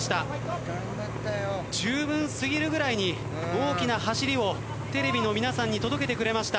じゅうぶん過ぎるぐらいに大きな走りをテレビの皆さんに届けてくれました。